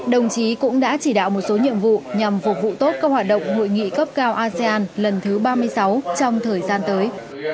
đồng chí cũng đã chỉ đạo một số nhiệm vụ nhằm phục vụ tốt các hoạt động hội nghị cấp cao asean lần thứ ba mươi sáu trong thời gian tới